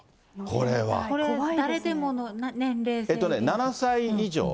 これは。７歳以上。